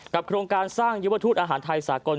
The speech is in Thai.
โครงการสร้างยุวทูตอาหารไทยสากล